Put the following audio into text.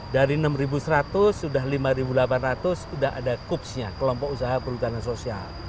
dari enam seratus sudah lima delapan ratus sudah ada kupsnya kelompok usaha perhutanan sosial